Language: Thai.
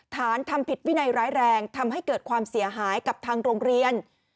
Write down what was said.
ฐานทำผิดวินัยร้ายแรงทำให้เกิดความเสียหายกับทางโรงเรียน